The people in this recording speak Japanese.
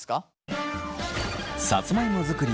さつまいも作り